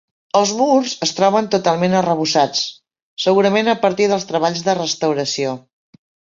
Els murs es troben totalment arrebossats, segurament a partir dels treballs de restauració.